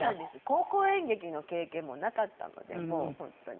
高校演劇の経験もなかったのでもう本当に。